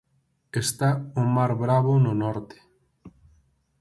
Está o mar bravo no norte.